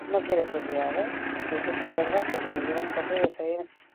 Epaimahaiak ez du eskaria onartu, fiskaltzaren irizpidearekin bat eginez.